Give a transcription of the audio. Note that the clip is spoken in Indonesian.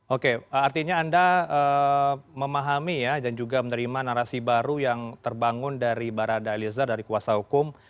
oke artinya anda memahami ya dan juga menerima narasi baru yang terbangun dari barada eliezer dari kuasa hukum